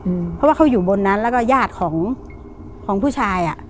เพราะว่าเขาอยู่บนนั้นแล้วก็ญาติของผู้ชาย